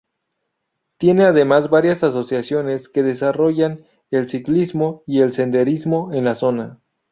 Tiene además varias asociaciones que desarrollan el ciclismo y el senderismo en la zona.